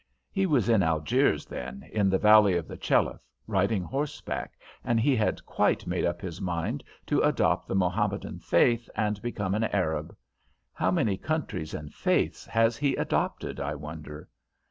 He was in Algiers then, in the valley of the Chelif, riding horseback, and he had quite made up his mind to adopt the Mahometan faith and become an Arab. How many countries and faiths has he adopted, I wonder?"